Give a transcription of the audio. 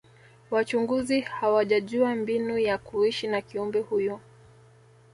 wachunguzi hawajajua mbinu ya kuishi na kiumbe huyu